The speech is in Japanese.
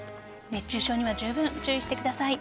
熱中症にはじゅうぶん注意してください。